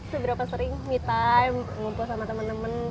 seberapa sering me time ngumpul sama temen temen